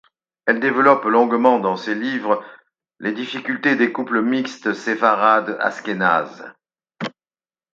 Elle développe longuement dans ses livres les difficultés des couples mixtes sépharade-ashkénaze.